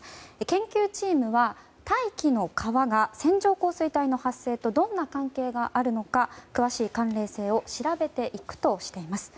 研究チームは大気の川が線状降水帯の発生とどんな関係があるのか詳しい関連性を調べていくとしています。